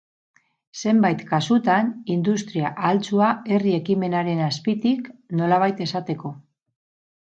Zenbait kasutan industria ahaltsua herri ekimenaren azpitik, nolabait esateko.